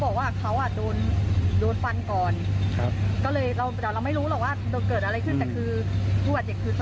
แต่ว่าคือเอาให้ตายก็คือคือแบบคือตรงเนี้ยมันก็เลย